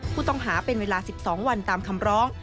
ผู้ต้องหาเป็นเวลา๑๒วันตามคำร้อง